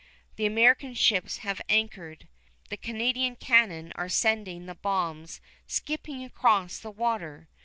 The American ships have anchored. The Canadian cannon are sending the bombs skipping across the water.